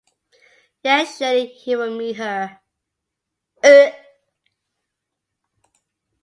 Yet surely he would meet her.